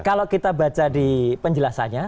kalau kita baca di penjelasannya